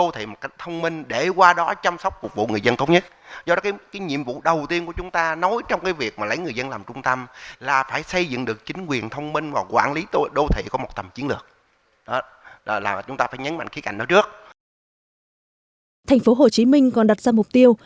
thành phố hồ chí minh còn đặt ra mục tiêu